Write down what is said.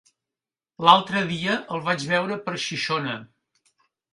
L'altre dia el vaig veure per Xixona.